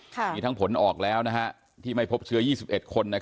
สิ่งทั้งผลออกแล้วนะคะที่ไม่พบเชื้อ๒๑คน